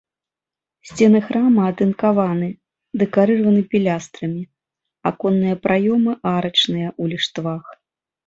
Сцены храма атынкаваны, дэкарыраваны пілястрамі, аконныя праёмы арачныя ў ліштвах.